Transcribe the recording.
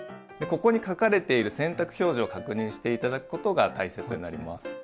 ここに書かれている洗濯表示を確認して頂くことが大切になります。